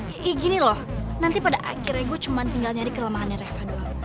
ya gini loh nanti pada akhirnya gua cuma tinggal nyari kelemahannya reva doang